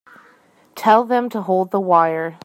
Tell them to hold the wire.